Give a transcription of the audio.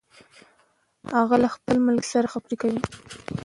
هغه له خپل ملګري سره خبرې کوي